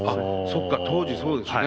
そっか、当時そうですね。